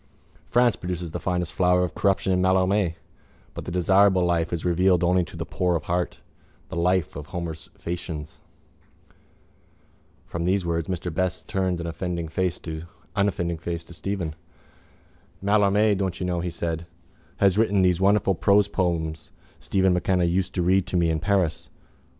France produces the finest flower of corruption in Mallarmé but the desirable life is revealed only to the poor of heart, the life of Homer's Phæacians. From these words Mr Best turned an unoffending face to Stephen. —Mallarmé, don't you know, he said, has written those wonderful prose poems Stephen MacKenna used to read to me in Paris.